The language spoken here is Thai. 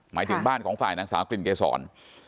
หมายถึงบ้านของฝ่ายนางสาวกลิ่นเกษร